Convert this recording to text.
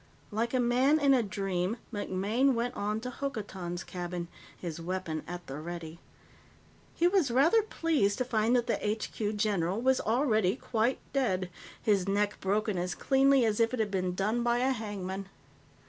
Like a man in a dream, MacMaine went on to Hokotan's cabin, his weapon at the ready. He was rather pleased to find that the HQ general was already quite dead, his neck broken as cleanly as if it had been done by a hangman.